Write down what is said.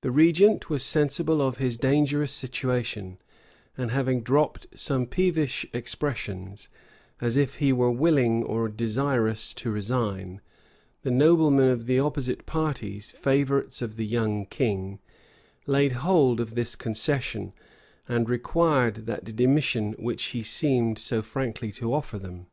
The regent was sensible of his dangerous situation; and having dropped some peevish expressions, as if he were willing or desirous to resign, the noblemen of the opposite party, favorites of the young king, laid hold of this concession, and required that demission which he seemed so frankly to offer them.